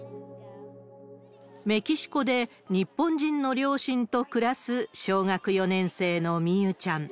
メキシコで日本人の両親と暮らす、小学４年生のみゆちゃん。